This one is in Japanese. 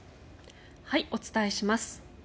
お伝えします。